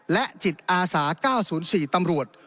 และจิตอาสา๙๐๔ตำรวจ